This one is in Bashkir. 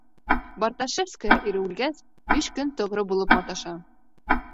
Барташевская, ире үлгәс, биш көн тоғро булып маташа.